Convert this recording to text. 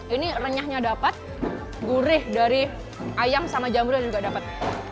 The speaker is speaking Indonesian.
ini renyahnya dapat gurih dari ayam sama jamur yang juga dapat